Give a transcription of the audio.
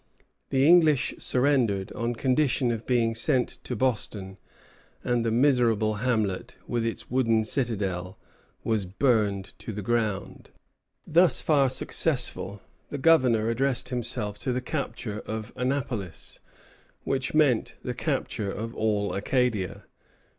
The English surrendered, on condition of being sent to Boston, and the miserable hamlet, with its wooden citadel, was burned to the ground. Thus far successful, the Governor addressed himself to the capture of Annapolis, which meant the capture of all Acadia.